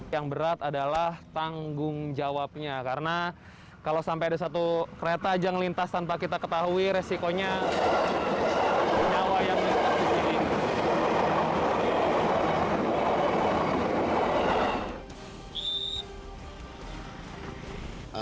yang berat adalah tanggung jawabnya karena kalau sampai ada satu kereta aja ngelintas tanpa kita ketahui resikonya